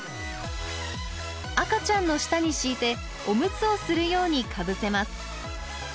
赤ちゃんの下に敷いておむつをするようにかぶせます。